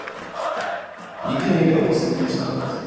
Nikdy nejde o poslední případ.